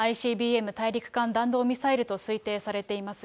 ＩＣＢＭ・大陸間弾道ミサイルと推定されています。